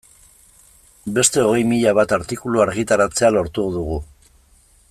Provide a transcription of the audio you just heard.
Beste hogei mila bat artikulu argitaratzea lortu dugu.